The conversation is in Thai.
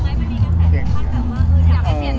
แม็กซ์ก็คือหนักที่สุดในชีวิตเลยจริง